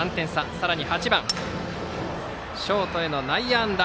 さらに８番ショートへの内野安打。